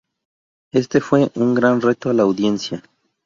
Este fue un gran reto a la audiencia.